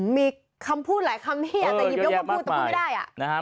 มีคำพูดหลายคำเฮียแต่หยิบยกว่าพูดแต่พูดไม่ได้